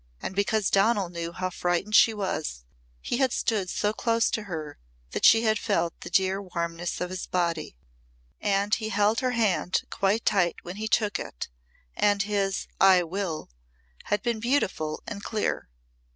And because Donal knew how frightened she was he had stood so close to her that she had felt the dear warmness of his body. And he had held her hand quite tight when he took it and his "I will" had been beautiful and clear.